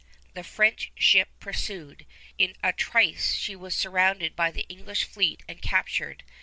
The French ship pursued. In a trice she was surrounded by the English fleet and captured.